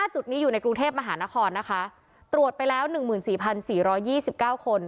จุดนี้อยู่ในกรุงเทพมหานครนะคะตรวจไปแล้ว๑๔๔๒๙คน